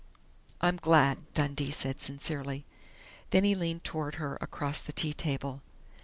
"I'm glad," Dundee said sincerely. Then he leaned toward her across the tea table.